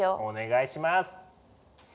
お願いします。